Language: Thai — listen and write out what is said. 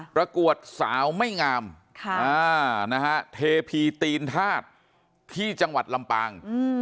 ประกวดสาวไม่งามเทพีตีนธาตุที่จังหวัดลำปาง